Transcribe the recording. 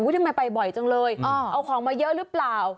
ทำไมไปบ่อยจังเลยเอาของมาเยอะหรือเปล่า